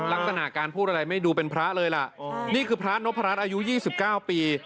ลักษณะการพูดอะไรไม่ดูเป็นพระเลยแหละนี่คือพระอาจารย์อายุยี่สิบเก้าปี